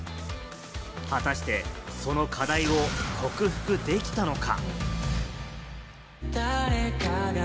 果たしてその課題を克服できたのか？